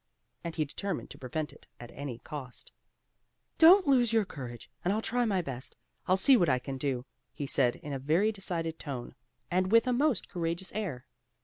And he determined to prevent it at any cost. "Don't lose your courage, and I'll try my best! I'll see what I can do!" he said in a very decided tone, and with a most courageous air.